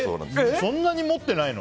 そんなに持ってないの？